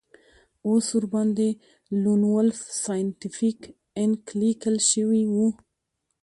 اوس ورباندې لون وولف سایینټیفیک انک لیکل شوي وو